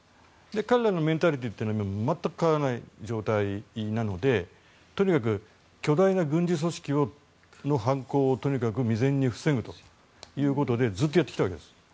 彼らのメンタリティーというのは全く変わらない状態なのでとにかく巨大な軍事組織の反抗をとにかく未然に防ぐということでずっとやってきたわけです。